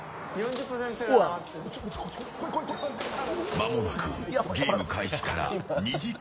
まもなくゲーム開始から２時間。